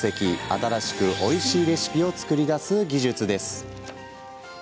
新しくおいしいレシピを作り出す技術です。